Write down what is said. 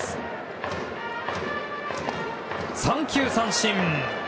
三球三振！